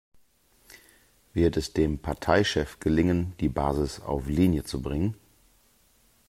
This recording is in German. Wird es dem Parteichef gelingen, die Basis auf Linie zu bringen?